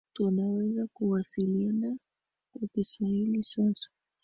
Tunaweza kuwasiliana kwa Kiswahili sasa